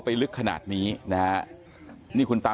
พ่ออยู่หรือเปล่า